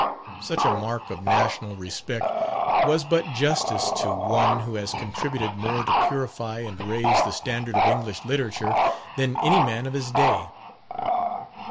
Such a mark of national respect was but justice to one who has contributed more to purify and raise the standard of English literature, than any man of his day.